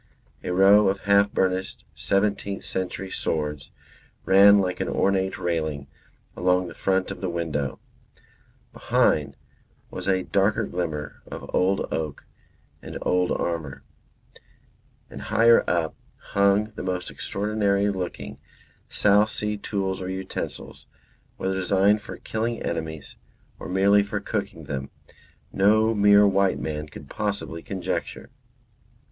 A row of half burnished seventeenth century swords ran like an ornate railing along the front of the window; behind was a darker glimmer of old oak and old armour; and higher up hung the most extraordinary looking South Sea tools or utensils, whether designed for killing enemies or merely for cooking them, no mere white man could possibly conjecture.